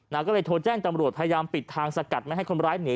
ก็เลยโทรแจ้งตำรวจพยายามปิดทางสกัดไม่ให้คนร้ายหนี